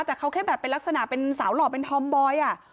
แต่เขาแค่แบบเป็นลักษณะเป็นสาวหล่อเป็นธอมบอย